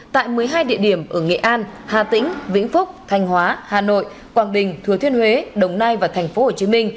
tại một mươi hai địa điểm ở nghệ an hà tĩnh vĩnh phúc thanh hóa hà nội quảng bình thừa thiên huế đồng nai và tp hcm